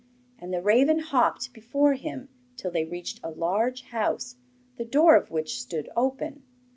And the raven hopped before him till they reached a large house, the door of which stood open.